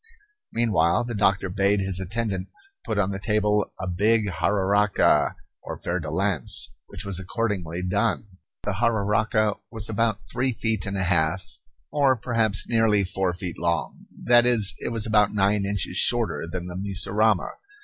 Meanwhile the doctor bade his attendant put on the table a big jararaca, or fer de lance, which was accordingly done. The jararaca was about three feet and a half, or perhaps nearly four feet long that is, it was about nine inches shorter than the mussurama.